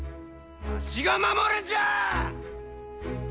わしが守るんじゃあ！